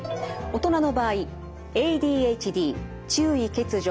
大人の場合ＡＤＨＤ注意欠如